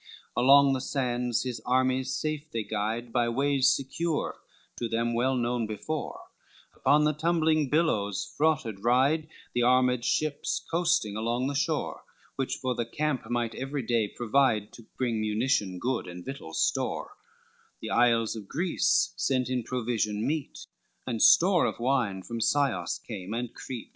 LXXVIII Along the sands his armies safe they guide By ways secure, to them well known before, Upon the tumbling billows fraughted ride The armed ships, coasting along the shore, Which for the camp might every day provide To bring munition good and victuals store: The isles of Greece sent in provision meet, And store of wine from Scios came and Crete.